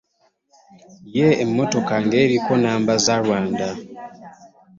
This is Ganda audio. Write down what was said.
Yee, emmotoka ng’eriko na nnamba za Rwanda.